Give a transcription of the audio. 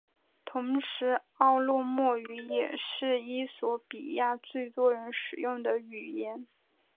同时奥罗莫语也是衣索比亚最多人使用的语言。